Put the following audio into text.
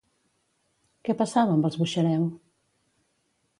Què passava amb els Buxareu?